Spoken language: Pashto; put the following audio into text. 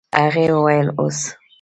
هغې وويل اوس.